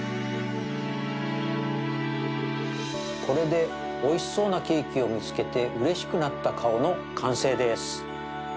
これでおいしそうなケーキをみつけてうれしくなった顔のかんせいです。